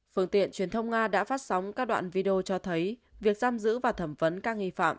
phương tiện truyền thông nga đã phát sóng các đoạn video cho thấy việc giam giữ và thẩm vấn các nghi phạm